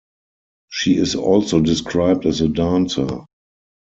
She is also described as a dancer.